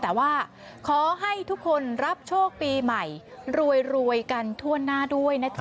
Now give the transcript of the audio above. แต่ว่าขอให้ทุกคนรับโชคปีใหม่รวยกันทั่วหน้าด้วยนะจ๊